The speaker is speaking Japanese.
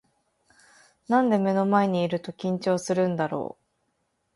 なんで目の前にいると緊張するんだろう